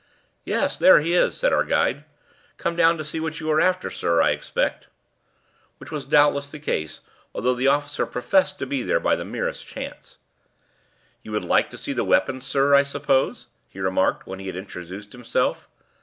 "Yes, there he is," said our guide. "Come down to see what you are after, sir, I expect." Which was doubtless the case, although the officer professed to be there by the merest chance. "You would like to see the weapon, sir, I suppose?" he remarked, when he had introduced himself.